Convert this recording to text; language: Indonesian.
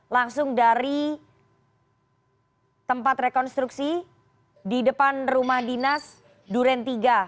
langsung dari tempat rekonstruksi di depan rumah dinas duren tiga